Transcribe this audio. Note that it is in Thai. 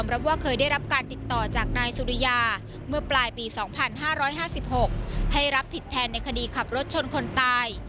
ให้รับผิดแทนในคดีขับรถชนคนตาย